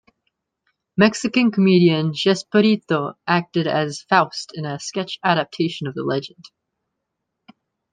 Mexican comedian Chespirito acted as Faust in a sketch adaptation of the legend.